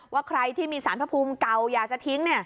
ว่าใครที่มีสารพระภูมิเก่าอยากจะทิ้ง